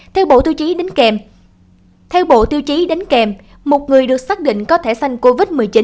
theo bộ tiêu chí đánh kèm một người được xác định có thẻ xanh covid một mươi chín